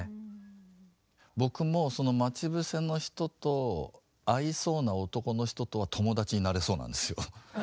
僕もその「まちぶせ」の人と合いそうな男の人とは友達になれそうなんですよ。